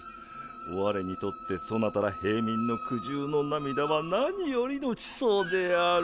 我にとってそなたら平民の苦渋の涙は何よりの馳走である。